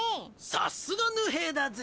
さすがぬ平だぜ。